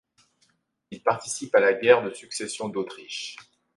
Il participe à la guerre de Succession d'Autriche.